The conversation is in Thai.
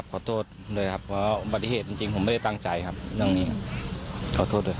ข้อมีอุ้มเด็กด้วย